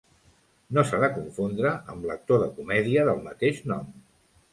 No s'ha de confondre amb l'actor de comèdia del mateix nom.